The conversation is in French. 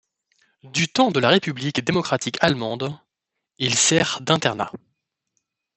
Du temps de la république démocratique allemande, il sert d'internat.